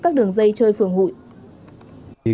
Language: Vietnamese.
các đường dây chơi phường hội